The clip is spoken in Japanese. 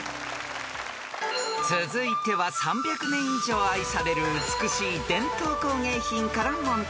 ［続いては３００年以上愛される美しい伝統工芸品から問題］